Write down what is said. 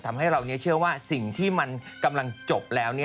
ทำให้เราเชื่อว่าสิ่งที่มันกำลังจบแล้ว